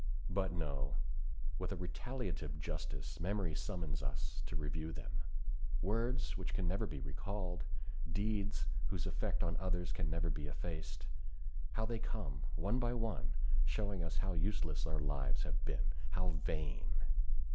But no, with a retaliative justice memory summons us to review them! Words which can never be recalled, deeds whose effect on others can never be effaced, how they come, one by one, showing us how useless our lives have been—how vain!